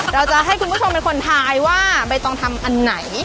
เราจะให้คุณผู้ชมเป็นคนทายว่าใบตองทำอันไหน